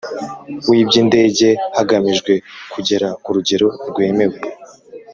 W iby indege hagamijwe kugera ku rugero rwemewe